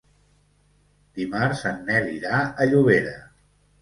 Dimarts en Nel irà a Llobera.